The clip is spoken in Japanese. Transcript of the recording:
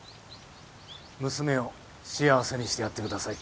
娘を幸せにしてやってください。